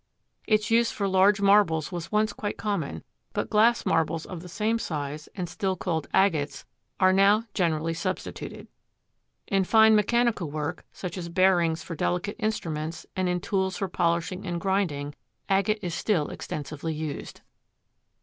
Its use for large marbles was once quite common, but glass marbles of the same size and still called "agates" are now generally substituted. In fine mechanical work, such as bearings for delicate instruments and in tools for polishing and grinding, agate is still extensively used.